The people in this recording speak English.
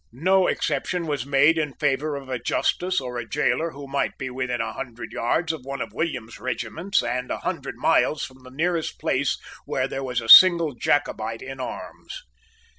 No exception was made in favour of a justice or of a gaoler who might be within a hundred yards of one of William's regiments, and a hundred miles from the nearest place where there was a single Jacobite in arms.